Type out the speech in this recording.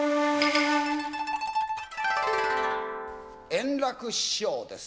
圓楽師匠です。